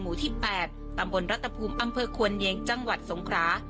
หมู่ที่๘ตำบลรัฐภูมิอำเภอควนเยงจังหวัดสงครา